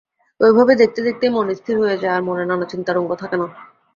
ঐভাবে দেখতে দেখতেই মন স্থির হয়ে যায়, আর মনে নানা চিন্তাতরঙ্গ থাকে না।